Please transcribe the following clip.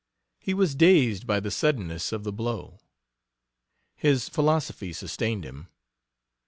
He was dazed by the suddenness of the blow. His philosophy sustained him.